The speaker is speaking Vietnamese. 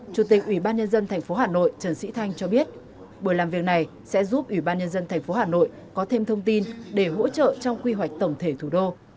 chủ tịch ủy ban nhân dân tp hà nội trần sĩ thanh cho biết buổi làm việc này sẽ giúp ủy ban nhân dân tp hà nội có thêm thông tin để hỗ trợ trong quy hoạch tổng thể thủ đô